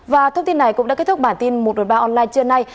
và thông tin này cũng đã kết thúc bản tin một trăm một mươi ba online trưa nay